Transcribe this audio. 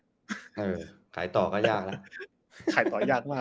บ๊วยไขต่อก็ยากแล้ว